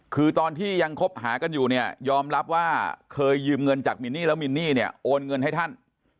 คือตอนที่ยังคบหากันอยู่เนี่ยยอมรับว่าเคยยืมเงินจากมินนี่แล้วมินนี่เนี่ยโอนเงินให้ท่าน